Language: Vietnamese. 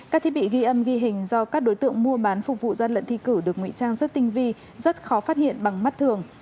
các thiết bị ghi âm ghi hình do các đối tượng mua bán phục vụ gian lận thi cử được nguy trang rất tinh vi rất khó phát hiện bằng mắt thường